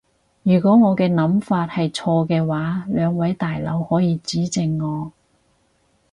如果我嘅諗法係錯嘅話，兩位大佬可以指正我